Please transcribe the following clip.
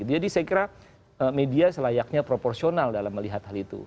jadi saya kira media selayaknya proporsional dalam melihat hal itu